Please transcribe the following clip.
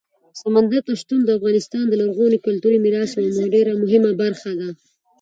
سمندر نه شتون د افغانستان د لرغوني کلتوري میراث یوه ډېره مهمه برخه ده.